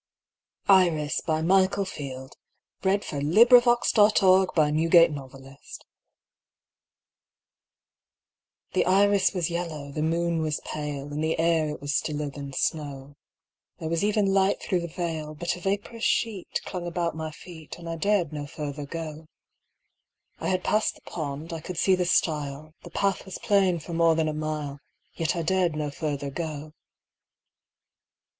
3–1908). A Victorian Anthology, 1837–1895. 1895. Michael Field Iris Field M THE IRIS was yellow, the moon was pale, In the air it was stiller than snow, There was even light through the vale, But a vaporous sheetClung about my feet, And I dared no further go.I had passed the pond, I could see the stile, The path was plain for more than a mile, Yet I dared no further go.